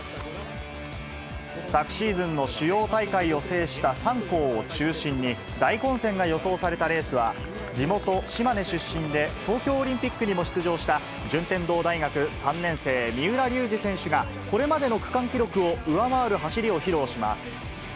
昨シーズンの主要大会を制した３校を中心に、大混戦が予想されたレースは、地元、島根出身で東京オリンピックにも出場した、順天堂大学３年生、三浦龍司選手がこれまでの区間記録を上回る走りを披露します。